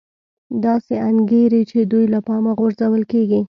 داسې انګېري چې دوی له پامه غورځول کېږي